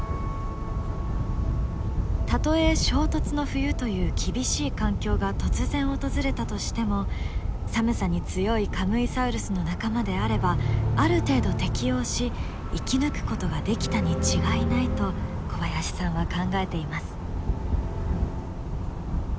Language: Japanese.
たとえ衝突の冬という厳しい環境が突然訪れたとしても寒さに強いカムイサウルスの仲間であればある程度適応し生き抜くことができたに違いないと小林さんは考えています。